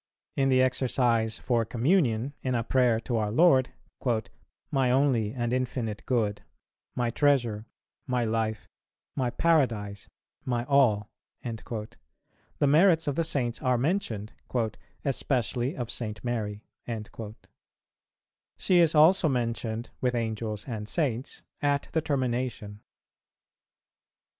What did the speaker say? In the Exercise for Communion, in a prayer to our Lord, "my only and infinite good, my treasure, my life, my paradise, my all," the merits of the Saints are mentioned, "especially of St. Mary." She is also mentioned with Angels and Saints at the termination.